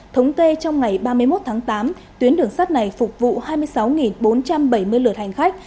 thống kê trong ngày ba mươi một tháng tám tuyến đường sắt này phục vụ hai mươi sáu bốn trăm bảy mươi lượt hành khách